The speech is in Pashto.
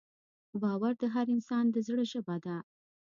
باور د هر انسان د زړه ژبه ده.